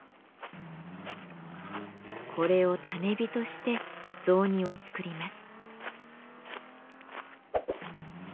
これを種火として雑煮を作ります。